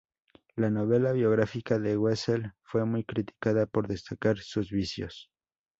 La novela biográfica de Wessel fue muy criticada por destacar sus vicios.